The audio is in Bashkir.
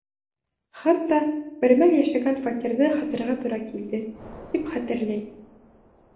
Хатта бер мәл йәшәгән фатирҙы һатырға тура килде, — тип хәтерләй.